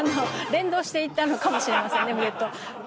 連動していたのかもしれませんね。